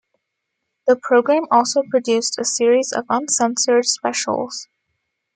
The program also produced a series of "uncensored" specials.